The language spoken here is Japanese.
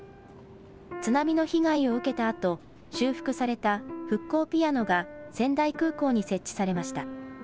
津波の被害を受けたあと、修復された復興ピアノが仙台空港に設置されました。